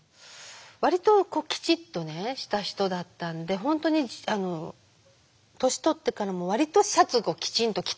割ときちっとした人だったんで本当に年取ってからも割とシャツをきちんと着たい。